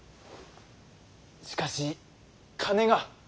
しかし金が。